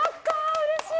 うれしい。